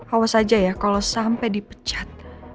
awas aja ya kalau sampai dipecat